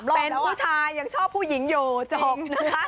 เป็นผู้ชายยังชอบผู้หญิงอยู่จบนะคะ